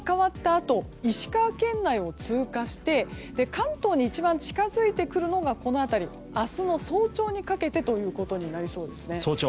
あと石川県内を通過して関東に一番近づいてくるのがこの辺り明日の早朝にかけてということになりそうです。